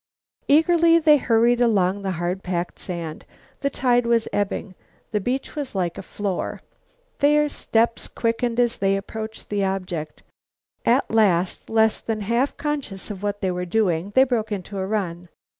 Eagerly they hurried along over the hard packed sand. The tide was ebbing; the beach was like a floor. Their steps quickened as they approached the object. At last, less than half conscious of what they were doing, they broke into a run.